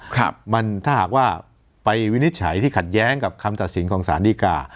ครับมันถ้าหากว่าไปวินิจฉัยที่ขัดแย้งกับคำตัดสินของสารดีกา